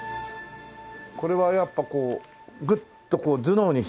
これはやっぱこうグッとこう頭脳に響いてくるんですか？